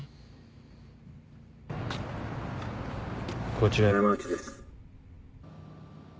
こちら山内です。